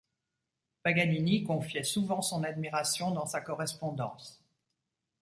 Paganini confiait souvent son admiration dans sa correspondance.